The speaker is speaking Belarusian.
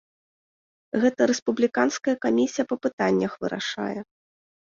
Гэта рэспубліканская камісія па пытаннях вырашае.